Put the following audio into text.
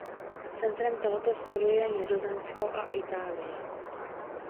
Centrem tohoto stylu je Nizozemsko a Itálie.